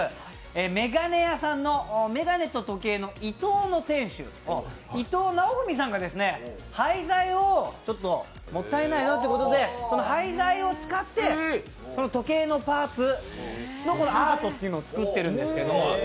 眼鏡屋さんの、時計いとおさん、伊藤尚史さんが廃材がもったいないなということで、その廃材を使って時計のパーツのアートを作っているんですけど。